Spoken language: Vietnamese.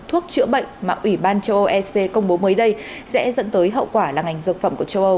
thuốc chữa bệnh mà ủy ban châu âu ec công bố mới đây sẽ dẫn tới hậu quả là ngành dược phẩm của châu âu